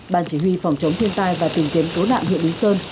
ban chỉ huy phòng chống thiên tai và tìm kiếm cứu nạn huyện lý sơn